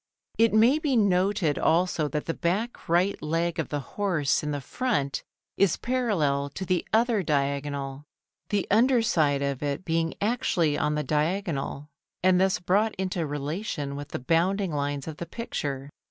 It may be noted also that the back right leg of the horse in the front is parallel to the other diagonal, the under side of it being actually on the diagonal and thus brought into relation with the bounding lines of the picture.